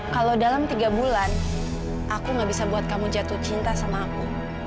kalau dalam tiga bulan aku gak bisa buat kamu jatuh cinta sama aku